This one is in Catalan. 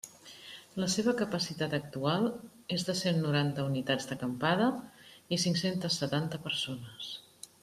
La seva capacitat actual és de cent noranta unitats d'acampada i cinc-centes setanta persones.